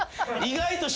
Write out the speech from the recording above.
意外と。